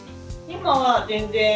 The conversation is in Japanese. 今は全然。